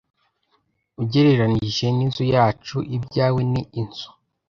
Ugereranije n'inzu yacu, ibyawe ni inzu.